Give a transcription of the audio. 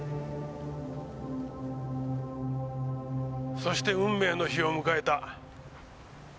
そして運命の日を迎えた。